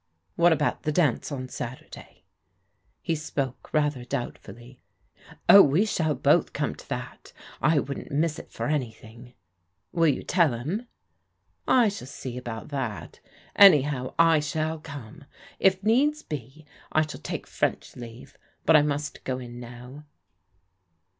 "What about the dance on Saturday?" He spoke rather doubtfully. " Oh, we shall both come to that. I wouldn't miss it for an)rthing." "Will you tell him?" "I shall see about that. Anyhow I shall come. If needs be, I shall take French leave. But I must go in now."